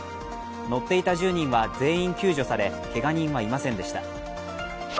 乗っていた１０人は全員救助されけが人はいませんでした。